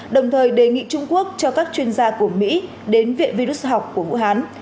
đồng thời đề nghị trung quốc cho các chuyên gia của mỹ đến viện virus học của vũ hán